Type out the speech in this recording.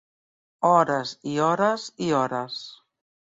Hores i hores i hores.